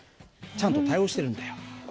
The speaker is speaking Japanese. ちゃんと対応してるんだよ。